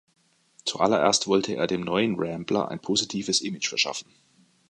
Zuallererst wollte er dem neuen Rambler ein positives Image verschaffen.